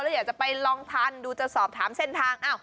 แล้วอยากจะไปลองทานดูจะสอบถามเส้นทาง